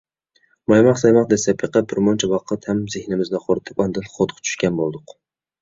مايماق-سايماق دەسسەپ بېقىپ، بىرمۇنچە ۋاقىت ھەم زېھنىمىزنى خورىتىپ ئاندىن خوتقا چۈشكەن بولدۇق.